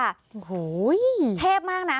โอ้โหเทพมากนะ